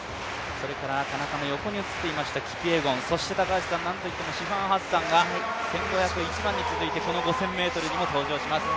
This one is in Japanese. それから田中の横に映っていましたキピエゴン、なんといってもシファン・ハッサンが１５００、１００００に続いてこの５０００ｍにも登場します。